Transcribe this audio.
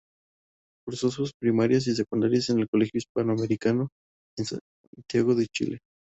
Cursó sus primarios y secundarios en el Colegio Hispano Americano, en Santiago de Chile.